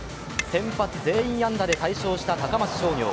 先発全員安打で大勝した高松商業。